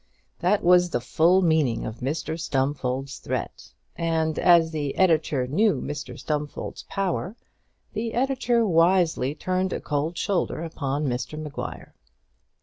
That was the full meaning of Mr Stumfold's threat; and, as the editor knew Mr Stumfold's power, the editor wisely turned a cold shoulder upon Mr Maguire.